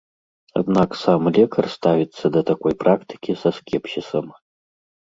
Аднак сам лекар ставіцца да такой практыкі са скепсісам.